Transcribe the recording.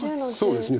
そうですね